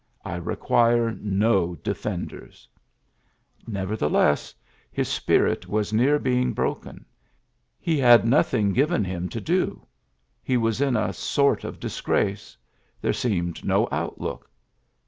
I require no defenders Nevertheless, his spirit was near bei broken. He had nothing given him do. He was in a sort of disgrace. The seemed no outlook.